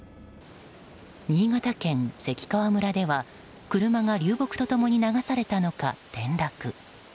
新潟県関川村では車が流木と共に流されたのか転落。